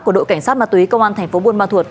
của đội cảnh sát ma túy công an tp buôn ma thuột